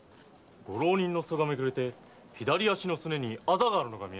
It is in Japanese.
ご浪人の裾がめくれて左足の臑にアザがあるのが見えました。